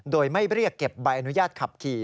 โดยไม่เรียกเก็บใบอนุญาตขับขี่